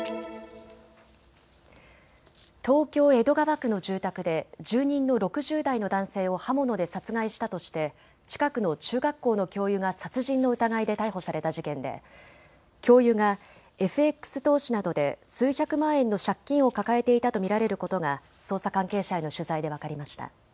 東京江戸川区の住宅で住人の６０代の男性を刃物で殺害したとして近くの中学校の教諭が殺人の疑いで逮捕された事件で教諭がＦＸ投資などで数百万円の借金を抱えていたと見られることが捜査関係者への取材で分かりました。